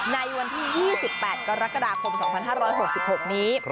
ในวันที่๒๘กรกฎาคม๒๕๖๖นี้